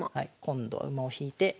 今度は馬を引いて。